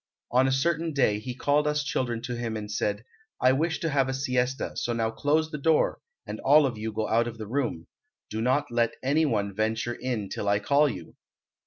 On a certain day he called us children to him and said, 'I wish to have a siesta, so now close the door and all of you go out of the room. Do not let any one venture in till I call you.'